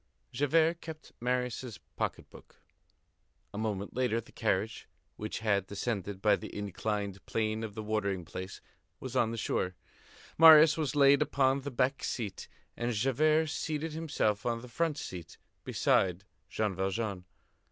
Javert kept Marius' pocket book. A moment later, the carriage, which had descended by the inclined plane of the watering place, was on the shore. Marius was laid upon the back seat, and Javert seated himself on the front seat beside Jean Valjean.